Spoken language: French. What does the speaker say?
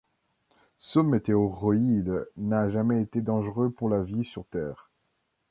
Ce météoroïde n'a jamais été dangereux pour la vie sur Terre.